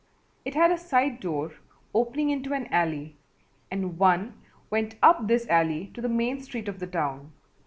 It had a side door opening into an alley and one went up this alley to the main street of the town.